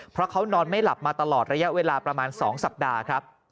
เพราะเขานอนไม่หลับมาตลอดระยะเวลาประมาณ๒สัปดาห์ครับ